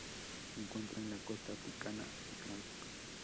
Se encuentra en la costa africana atlántico